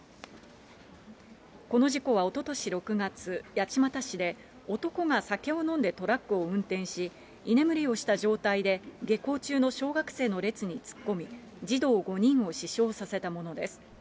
この事故はおととし６月、八街市で、男が酒を飲んでトラックを運転し、居眠りをした状態で下校中の小学生の列に突っ込み、児童５人を死傷させたものです。